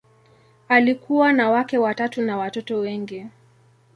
Alikuwa na wake watatu na watoto wengi.